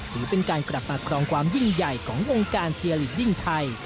ถือเป็นการกลับมาครองความยิ่งใหญ่ของวงการเชียร์ลีดยิ่งไทย